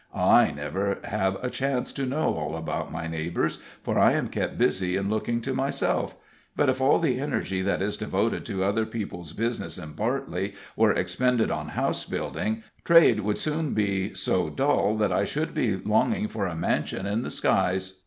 I never have a chance to know all about my neighbors, for I am kept busy in looking to myself; but if all the energy that is devoted to other people's business in Bartley were expended on house building, trade would soon be so dull that I should be longing for a mansion in the skies.